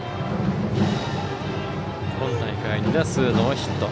今大会２打数ノーヒット。